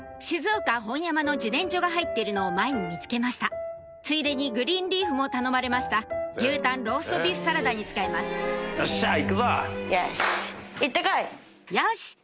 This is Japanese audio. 静岡・本山の自然薯が入っているのを前に見つけましたついでにグリーンリーフも頼まれました牛タンローストビーフサラダに使いますよし！